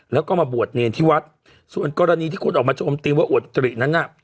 แล้วก็มาบวชเนรทิวัฒน์ส่วนกรณีที่คุณออกมาจมติว่าอุตตรินั้น